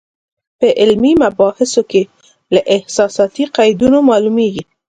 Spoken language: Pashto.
په علمي مباحثو کې له احساساتي قیدونو معلومېږي.